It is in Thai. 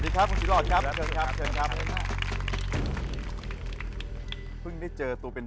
เพิ่งได้เจอตัวเป็น